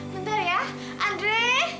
bentar ya andre